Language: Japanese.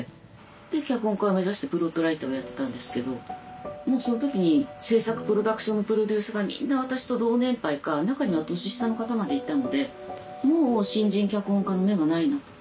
脚本家を目指してプロットライターをやってたんですけどもうその時に制作プロダクションのプロデューサーがみんな私と同年配か中には年下の方までいたのでもう新人脚本家の芽はないなと。